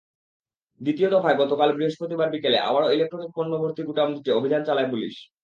দ্বিতীয় দফায় গতকাল বৃহস্পতিবার বিকেলে আবারও ইলেকট্রনিক পণ্যভর্তি গুদামটিতে অভিযান চালায় পুলিশ।